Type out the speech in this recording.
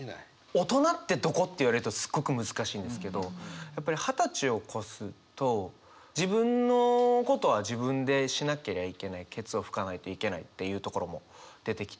「大人ってどこ」って言われるとすごく難しいんですけどやっぱり二十歳を超すと自分のことは自分でしなけりゃいけないけつを拭かないといけないっていうところも出てきて。